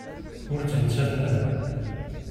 Ur ttmettaten ara.